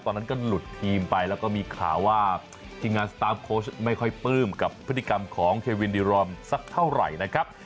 ตอนนั้นก็หลุดทีมไปแล้วก็มีข่าวว่าทีมงานสตาร์ฟโค้ชไม่ค่อยปลื้มกับพฤติกรรมของเทวินดิรอมสักเท่าไหร่นะครับ